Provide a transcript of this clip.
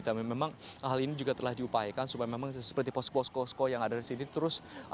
tapi memang hal ini juga telah diupayakan supaya memang seperti posko posko posko yang ada di sini terus ada bantuan kesehatan